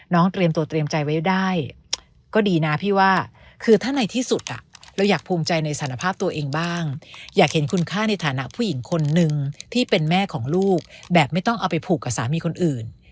เตรียมตัวเตรียมใจไว้ได้ก็ดีนะพี่ว่าคือถ้าในที่สุดเราอยากภูมิใจในสารภาพตัวเองบ้างอยากเห็นคุณค่าในฐานะผู้หญิงคนนึงที่เป็นแม่ของลูกแบบไม่ต้องเอาไปผูกกับสามีคนอื่น